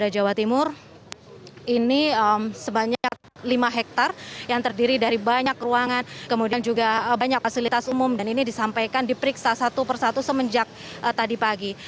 jawa timur ini sebanyak lima hektare yang terdiri dari banyak ruangan kemudian juga banyak fasilitas umum dan ini disampaikan diperiksa satu persatu semenjak tadi pagi